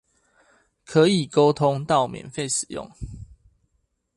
可以溝通到免費使用